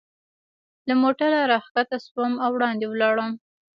له موټره را کښته شوم او وړاندې ولاړم.